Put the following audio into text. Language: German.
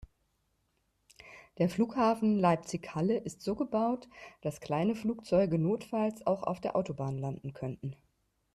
Der Flughafen Leipzig/Halle ist so gebaut, dass kleine Flugzeuge notfalls auch auf der Autobahn landen könnten.